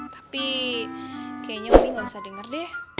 tapi kayaknya umi gak usah denger deh